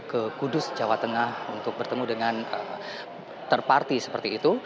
ke kudus jawa tengah untuk bertemu dengan terparty seperti itu